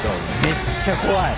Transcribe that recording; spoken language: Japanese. めっちゃ怖い。